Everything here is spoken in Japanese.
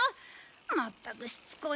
まったくしつこいなあ。